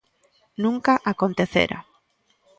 Nunca acontecera.